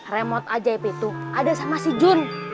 remote aja ip itu ada sama si jun